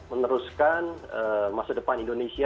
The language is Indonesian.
meneruskan masa depan indonesia